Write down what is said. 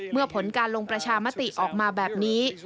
ผลการลงประชามติออกมาแบบนี้